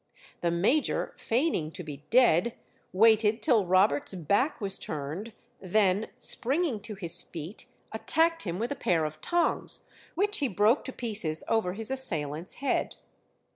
The major, feigning to be dead, waited till Roberts's back was turned, then springing to his feet attacked him with a pair of tongs, which he broke to pieces over his assailant's head.